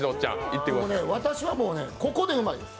私はもうね、ここでうまいです。